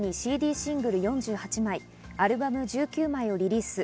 シングル４８枚、アルバム１９枚をリリース。